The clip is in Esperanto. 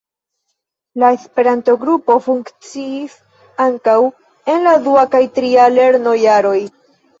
La Esperanto-grupo funkciis ankaŭ en la dua kaj tria lernojaroj.